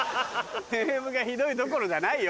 ネームがひどいどころじゃないよ